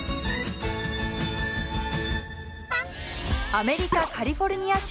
アメリカ・カリフォルニア州